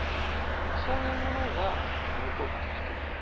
そういうものが残ってきている。